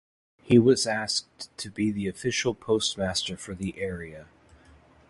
He was asked to be the official postmaster for the area.